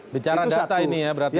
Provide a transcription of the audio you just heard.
bicara data ini ya berarti